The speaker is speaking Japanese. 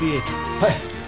はい。